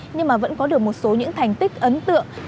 nhưng mà vẫn có được một số những thành tích ấn tượng